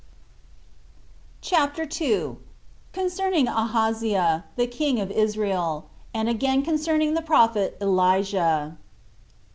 CHAPTER 2. Concerning Ahaziah; The King Of Israel; And Again Concerning The Prophet Elijah.